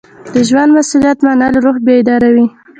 د ژوند مسؤلیت منل روح بیداروي.